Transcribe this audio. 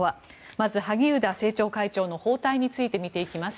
まず萩生田政調会長の訪台について見ていきます。